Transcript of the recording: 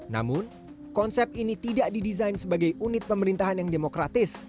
namun konsep ini tidak didesain sebagai unit pemerintahan yang demokratis